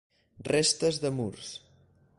Restes de murs.